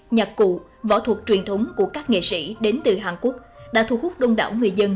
nhạc cụ võ thuật truyền thống của các nghệ sĩ đến từ hàn quốc đã thu hút đông đảo người dân